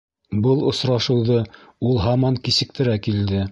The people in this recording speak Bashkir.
Был осрашыуҙы ул һаман кисектерә килде.